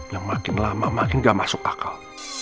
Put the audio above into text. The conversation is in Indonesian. yang makin lama makin nggak masuk akal